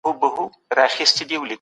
ځینې کسان یوازي پر کمیت بحث کوي.